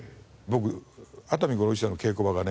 僕熱海五郎一座の稽古場がね